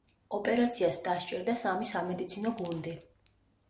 ოპერაციას დასჭირდა სამი სამედიცინო გუნდი.